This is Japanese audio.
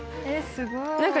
えすごい！